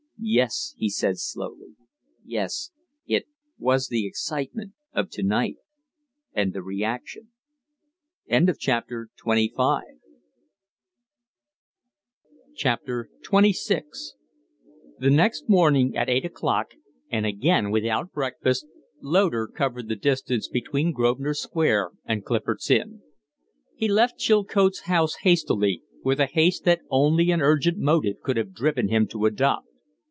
"Yes," he said, slowly. "Yes. It was the excitement of to night and the reaction." XXVI The next morning at eight o'clock, and again without breakfast, Loder covered the distance between Grosvenor Square and Clifford's Inn. He left Chilcote's house hastily with a haste that only an urgent motive could have driven him to adopt.